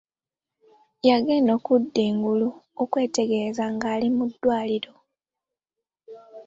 Yagenda okudda engulu okwetegereza nga ali mu ddwaliro.